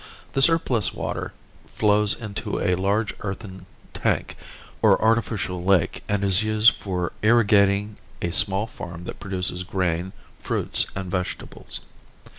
The surplus water flows into a large earthern tank or artificial lake and is used for irrigating a small farm that produces grain, fruits and vegetables.